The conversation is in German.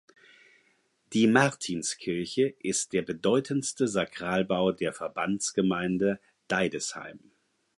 Die Martinskirche ist der bedeutendste Sakralbau der Verbandsgemeinde Deidesheim.